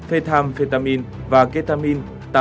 phe tham phe ta min và kê ta min